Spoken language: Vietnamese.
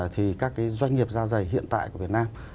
thì các cái doanh nghiệp da dày hiện tại của việt nam